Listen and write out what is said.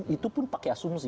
itu pun pakai asumsi